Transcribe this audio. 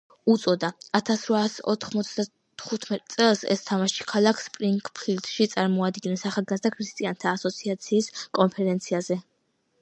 უწოდა. ათასრვაასოთხმოცდათხუთმეტი წელს ეს თამაში ქალაქ სპრიფგფილდში წარადგინეს ახალგაზრდა ქრისტიანთა ასოციაციის კონფერენციაზე.